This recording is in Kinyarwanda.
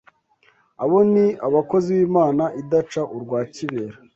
Abo ni abakozi b’Imana idaca urwa kibera